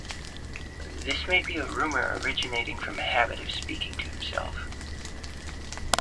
This may be a rumour originating from a habit of speaking to himself.